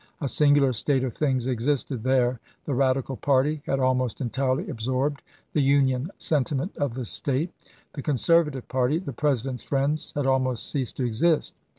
A singular state of things existed there. The Radical party had almost entirely absorbed the Union sentiment of the State ; the Conservative party, the Presi 1864. dent's friends, had almost ceased to exist.